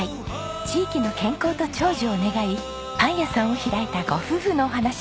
地域の健康と長寿を願いパン屋さんを開いたご夫婦のお話。